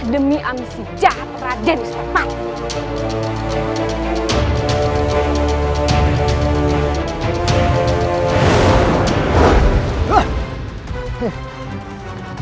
demi amsi jahat raden wistapati